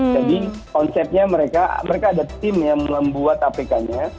jadi konsepnya mereka mereka ada tim yang membuat apk nya